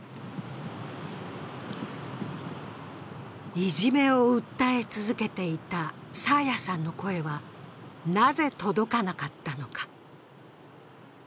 いじめを訴え続けていた爽彩さんの声は、なぜ届かなかったのか。